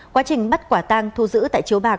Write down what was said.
quá trình bắt quả tang thu giữ tại chiếu bạc